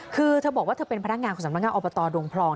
คือเธอบอกว่าเธอเป็นพนักงานของสำนักงานอบตดงพรอง